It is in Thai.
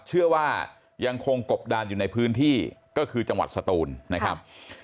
เชื่อว่ายังคงกบดานอยู่ในพื้นที่ก็คือจังหวัดสตูนนะครับ